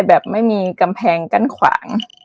แบบไม่มีกำแพงกั้นขวาง